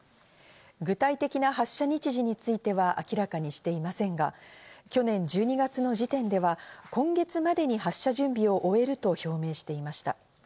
具体的な発射日時については明らかにしていませんが、去年１２月の時点では今月までに発射準備を終えると表明していました。